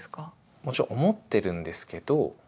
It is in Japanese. もちろん思ってるんですけど。